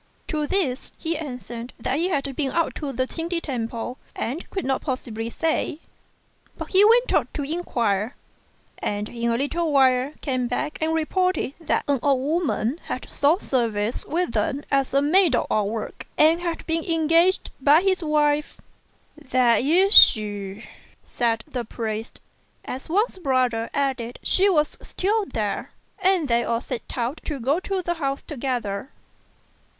To this he answered that he had been out to the Ch'ing ti temple and couldn't possibly say; but he went off to inquire, and in a little while came back and reported that an old woman had sought service with them as a maid of all work, and had been engaged by his wife. "That is she," said the priest, as Wang's brother added she was still there; and they all set out to go to the house together.